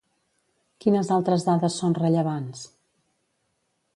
Quines altres dades són rellevants?